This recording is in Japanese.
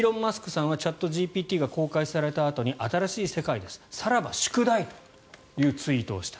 さんはチャットＧＰＴが公開されたあとに「新しい世界さらば宿題！」というツイートをした。